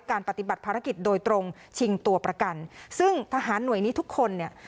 ปฏิบัติภารกิจโดยตรงชิงตัวประกันซึ่งทหารหน่วยนี้ทุกคนเนี่ย